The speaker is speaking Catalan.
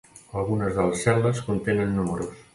Algunes de les cel·les contenen números.